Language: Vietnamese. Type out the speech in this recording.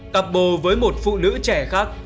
cặp bồ với một phụ nữ trẻ khác